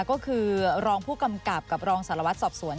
ก็คือรองผู้กำกับกับรองสารวัตรสอบสวน